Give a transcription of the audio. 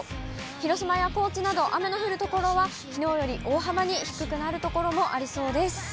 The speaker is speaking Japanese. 広島や高知など、雨の降る所はきのうより大幅に低くなる所もありそうです。